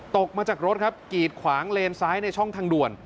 ตกมาจากรถครับกีดขวางเลนซ้ายในช่องทางด่วน